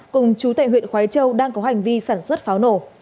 cùng chú tệ huyện khói châu đang có hành vi sản xuất pháo nổ